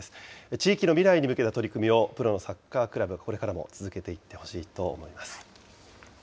地域の未来に向けた取り組みをプロのサッカークラブがこれからも続けていってほしいと思います。